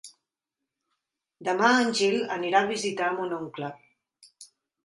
Demà en Gil anirà a visitar mon oncle.